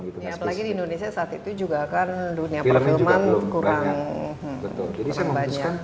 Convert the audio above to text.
apalagi di indonesia saat itu juga kan dunia perfilman kurang banyak